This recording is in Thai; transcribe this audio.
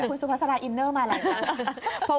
คุณสุพัสราอินเนอร์มาอะไรกัน